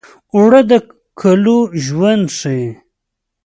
اوړه د کلو ژوند ښيي